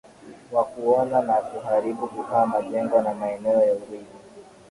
wa kuona na kuharibu vifaa majengo na maeneo ya urithi